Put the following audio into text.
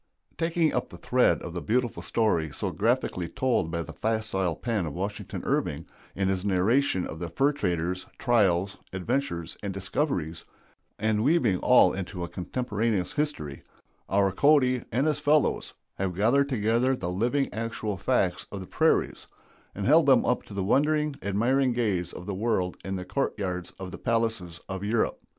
Taking up the thread of the beautiful story so graphically told by the facile pen of Washington Irving in his narration of the fur traders' trials, adventures, and discoveries, and weaving all into a contemporaneous history, our Cody and his fellows have gathered together the living actual facts of the prairies, and held them up to the wondering, admiring gaze of the world in the court yards of the palaces of Europe.